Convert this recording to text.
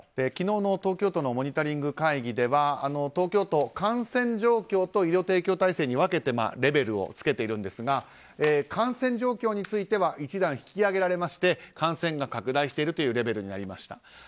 昨日の東京都のモニタリング会議では東京都、感染状況と医療提供体制に分けてレベルをつけているんですが感染状況については１段引き上げられまして感染が拡大しているというレベルになりました。